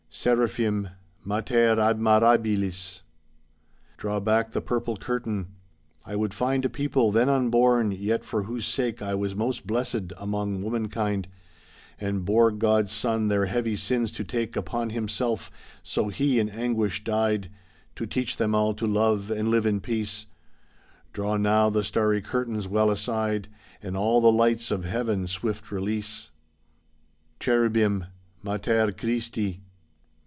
SerapMm: ^^Mater admirabilis." Draw back the purple curtain. I would find A people, then unborn, yet for whose sake I W£is most blessed amongst womankind, And bore God's son their heavy sins to take Upon himself, so He in anguish died. To teach them all to love and live in peace. Draw now the starry curtains well aside. And all the lights of Heaven swift release. Chervbim: "Mater Christi.'